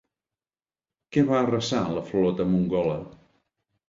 Què va arrasar la flota mongola?